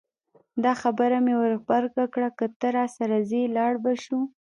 دا خبره مې ور غبرګه کړه که ته راسره ځې لاړ به شو.